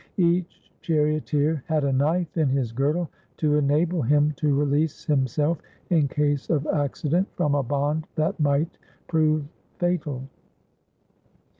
Each charioteer had a knife in his girdle, to enable him to release himself, in case of accident, from a bond that might prove fatal.